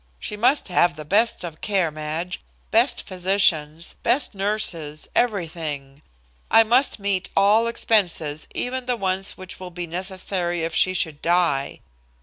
She must have the best of care, Madge, best physicians, best nurses, everything. I must meet all expenses, even to the ones which will be necessary if she should die."